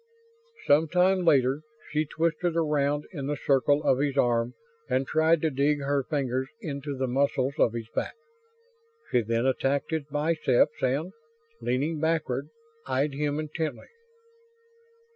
Some time later, she twisted around in the circle of his arm and tried to dig her fingers into the muscles of his back. She then attacked his biceps and, leaning backward, eyed him intently.